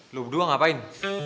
lo berdua ngapain